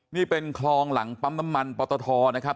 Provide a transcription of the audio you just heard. นี่เป็นคลองหลังปั๊มน้ำมันปตทนะครับ